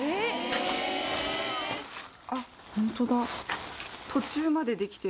あっホントだ。